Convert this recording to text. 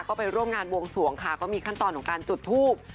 ก็ไปร่วมงานวงสวงค่ะก็มีขั้นตอนของการจุดทูบ